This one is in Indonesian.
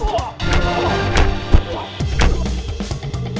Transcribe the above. abis liat sekarang